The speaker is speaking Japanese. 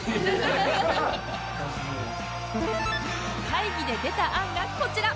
会議で出た案がこちら